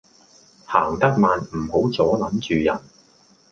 行得慢唔好阻撚住人